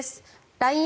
ＬＩＮＥ